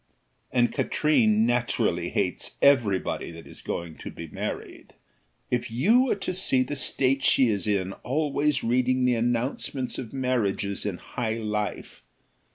"And Katrine naturally hates every body that is going to be married. If you were to see the state she is in always reading the announcements of Marriages in High Life!